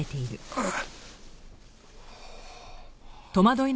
ああ。